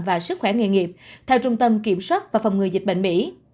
và sức khỏe nghề nghiệp theo trung tâm kiểm soát và phòng ngừa dịch bệnh mỹ